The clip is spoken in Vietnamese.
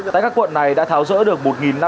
tại các quận này đã tháo rỡ được